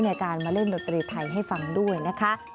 ในการมาเล่นดนตรีไทยให้ฟังด้วยนะคะ